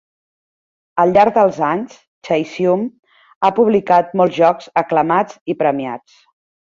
Al llarg dels anys, Chaosium ha publicat molts jocs aclamats i premiats.